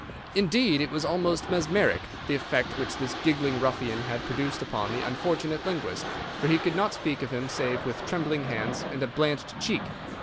Indeed, it was almost mesmeric, the effect which this giggling ruffian had produced upon the unfortunate linguist, for he could not speak of him save with trembling hands and a blanched cheek.